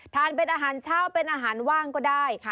ทานเป็นอาหารเช้าเป็นอาหารว่างก็ได้